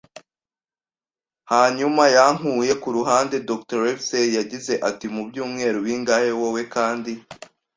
Hanyuma yankuye ku ruhande. “Dr. Livesey, "yagize ati:" mubyumweru bingahe wowe kandi